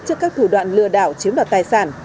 trước các thủ đoạn lừa đảo chiếm đoạt tài sản